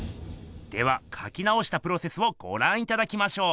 ではかきなおしたプロセスをごらんいただきましょう。